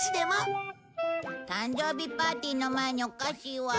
誕生日パーティーの前にお菓子は。